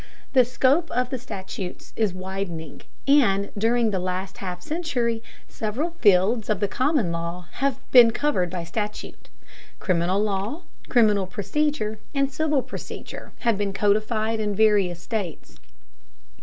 The scope of the statutes is widening, and during the last half century several fields of the common law have been covered by statute. Criminal law, criminal procedure, and civil procedure have been codified in various states.